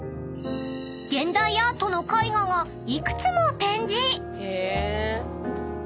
［現代アートの絵画が幾つも展示］